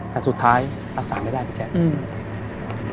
แต่สุดท้ายรักษาไม่ได้พี่แจ๊ค